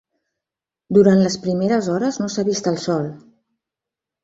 Durant les primeres hores no s'ha vist el sol.